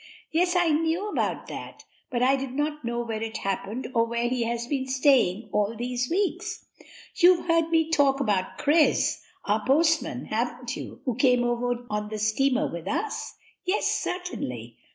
"Yes, I knew about that, but I do not know where it happened or where he has been staying all these weeks." "You've heard me talk about Chris, our postman, haven't you, who came over on the steamer with us?" "Yes, certainly."